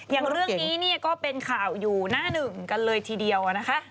อย่างเรื่องนี้เนี่ยก็เป็นข่าวอยู่หน้าหนึ่งกันเลยทีเดียวนะคะ